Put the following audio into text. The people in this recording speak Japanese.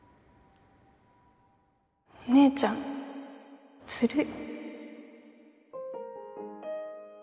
お姉ちゃんずるい。